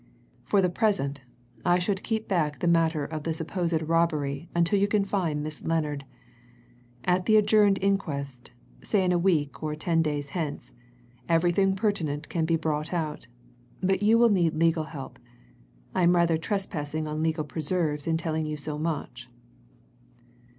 For the present, I should keep back the matter of the supposed robbery until you can find this Miss Lennard. At the adjourned inquest say in a week or ten days hence everything pertinent can be brought out. But you will need legal help I am rather trespassing on legal preserves in telling you so much."